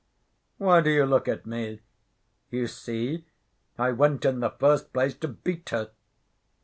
Why do you look at me? You see, I went in the first place to beat her.